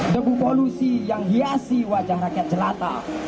debu polusi yang hiasi wajah rakyat jelata